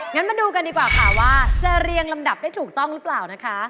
งั้นมาดูกันดีกว่าค่ะว่าจะเรียงลำดับได้ถูกต้องหรือเปล่านะคะ